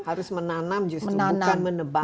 harus menanam justru bukan menebang